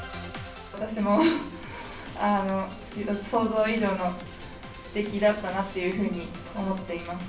私も想像以上の出来だったなっていうふうに思っています。